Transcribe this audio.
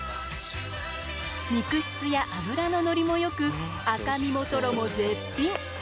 肉質や脂ののりもよく赤身もトロも絶品。